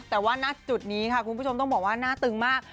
แต่ว่าณจุดนี้ค่ะคุณผู้ชมต้องบอกว่าหน้าตึงมาก